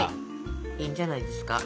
いいんじゃないですか。